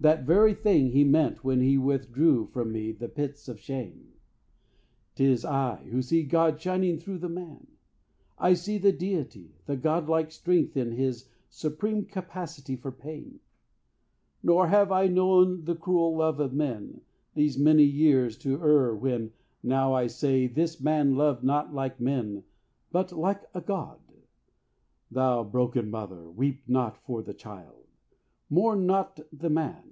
That very thing he meant When he withdrew me from the pits of shame. 'T is I who see God shining through the man. I see the deity, the godlike strength In his supreme capacity for pain. Nor have I known the cruel love of men These many years to err when now I say This man loved not like men but like a God. Thou broken mother, weep not for the child, Mourn not the man.